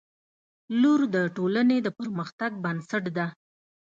• لور د ټولنې د پرمختګ بنسټ ده.